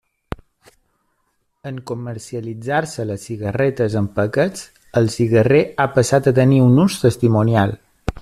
En comercialitzar-se les cigarretes en paquets, el cigarrer ha passat a tenir un ús testimonial.